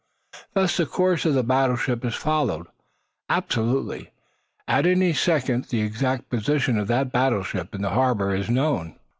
Thus the course of the battleship is followed absolutely. At any second the exact position of that battleship in the harbor is known.